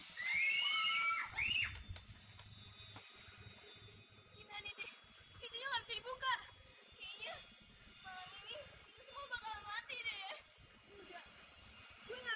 kami ngikutin semua petunjuk yang ada kok